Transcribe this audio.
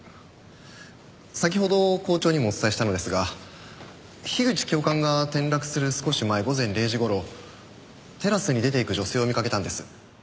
先ほど校長にもお伝えしたのですが樋口教官が転落する少し前午前０時頃テラスに出て行く女性を見かけたんです。